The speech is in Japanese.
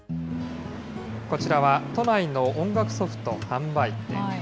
こちらは、都内の音楽ソフト販売店。